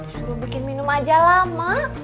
suruh bikin minum aja lama